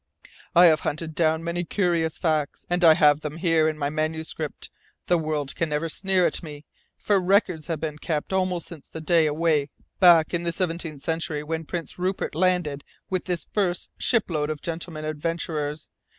"I have hunted down many curious facts, and I have them here in my manuscript. The world cannot sneer at me, for records have been kept almost since the day away back in the seventeenth century when Prince Rupert landed with his first shipload of gentlemen adventurers.